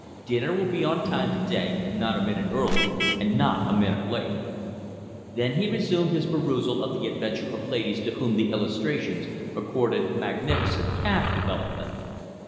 Dinner will be on time to day not a minute early, and not a minute late." Then he resumed his perusal of the adventures of ladies to whom the illustrations accorded magnificent calf development.